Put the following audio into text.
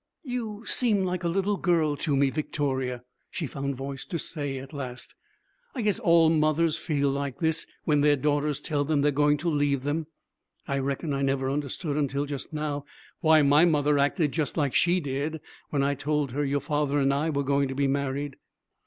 'You seem like a little girl to me, Victoria,' she found voice to say, at last. 'I guess all mothers feel like this when their daughters tell them they are going to leave them. I reckon I never understood until just now, why my mother acted just like she did when I told her your father and I were going to be married.'